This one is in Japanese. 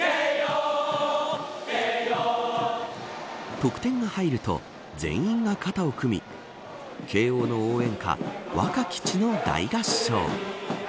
得点が入ると全員が肩を組み慶応の応援歌、若き血の大合唱。